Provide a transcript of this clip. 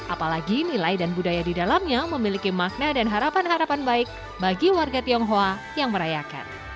apalagi nilai dan budaya di dalamnya memiliki makna dan harapan harapan baik bagi warga tionghoa yang merayakan